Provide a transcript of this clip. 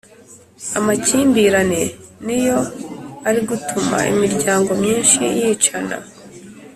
Amakimbirane niyo ari gutuma imiryango myinshi yicana